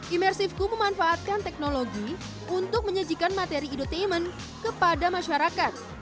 imersifku memanfaatkan teknologi untuk menyajikan materi edotainment kepada masyarakat